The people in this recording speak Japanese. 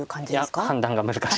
いや判断が難しい。